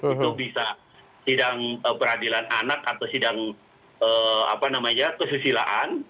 itu bisa sidang peradilan anak atau sidang kesusilaan